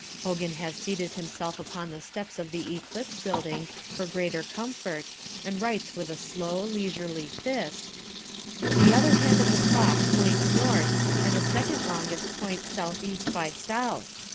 Hogan has seated himself upon the steps of The Eclipse building for greater comfort and writes with a slow, leisurely fist: "The other hand of the clock points north and the second longest points south east by south.